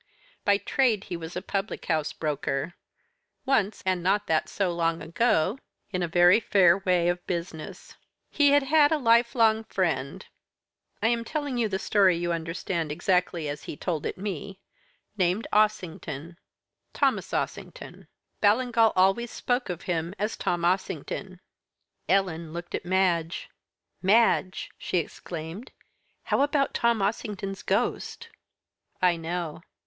By trade he was a public house broker; once, and that not so long ago, in a very fair way of business. He had had a lifelong friend I am telling you the story, you understand, exactly as he told it me named Ossington Thomas Ossington. Ballingall always spoke of him as Tom Ossington." Ellen looked at Madge. "Madge!" she exclaimed, "how about Tom Ossington's Ghost?" "I know."